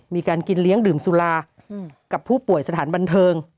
มีการกินเลี้ยงดื่มสุรากับผู้ป่วยสถานบันเทิง